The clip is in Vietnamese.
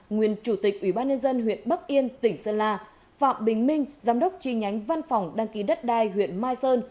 nguyên chủ tịch ủy ban nhân dân huyện bắc yên tỉnh sơn la phạm bình minh giám đốc chi nhánh văn phòng đăng ký đất đai huyện mai sơn